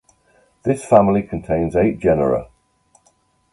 This family contains eight genera.